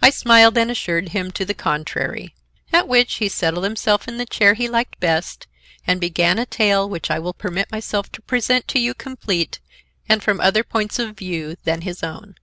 I smiled and assured him to the contrary. At which he settled himself in the chair he liked best and began a tale which I will permit myself to present to you complete and from other points of view than his own.